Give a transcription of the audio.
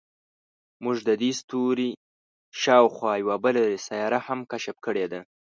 موږ د دې ستوري شاوخوا یوه بله سیاره هم کشف کړې ده.